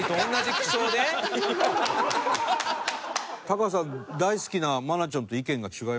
タカさん大好きな愛菜ちゃんと意見が違いますけど。